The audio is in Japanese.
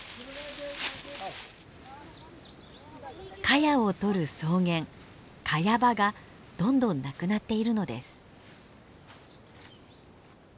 カヤをとる草原カヤ場がどんどんなくなっているのです。